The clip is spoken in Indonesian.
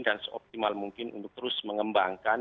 dan seoptimal mungkin untuk terus mengembangkan